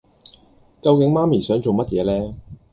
究竟媽咪想做乜嘢呢